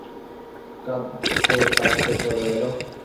কাঁদতে কাঁদতে চলে গেল।